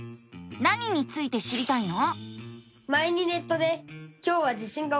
何について知りたいの？